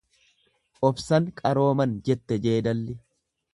Obsan qarooman jette jeedalli.